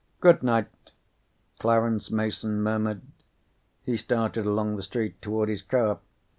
"Good night," Clarence Mason murmured. He started along the street toward his car.